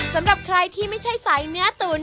สำหรับใครที่ไม่ใช่สายเนื้อตุ๋น